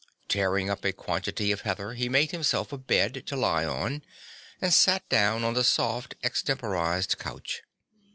Tearing up a quantity of heather he made himself a bed to lie on and sat down on the soft extemporised couch.